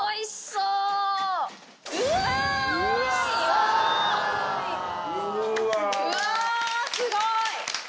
うわすごい！